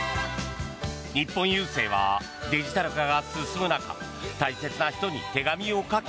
日本郵政はデジタル化が進む中大切な人に手紙を書き